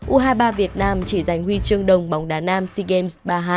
u hai mươi ba việt nam chỉ giành huy chương đồng bóng đá nam sea games ba mươi hai